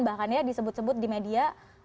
bahkan ya disebut sebut di media